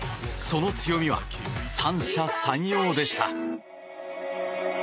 その強みは、三者三様でした。